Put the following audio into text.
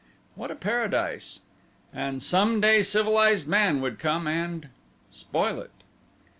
What a paradise! And some day civilized man would come and spoil it!